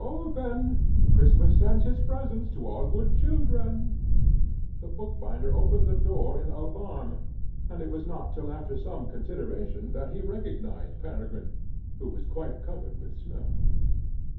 Open! Christmas sends his presents to all good children." The bookbinder opened the door in alarm, and it was not till after some consideration that he recognised Peregrine, who was quite covered with snow.